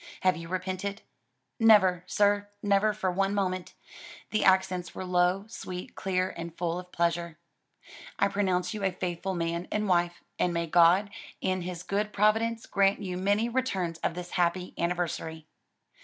Have you repented?" "Never, sir; never for one moment." The accents were low, sweet, clear, and full of pleasure. "I pronounce you a faithful man and wife: and may God, in his good providence, grant you many returns of this happy anniversary."